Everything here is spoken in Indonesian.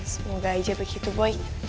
semoga aja begitu boy